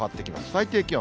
最低気温。